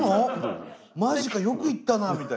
「マジかよく行ったな」みたいな。